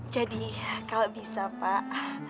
jadi kalau bisa pak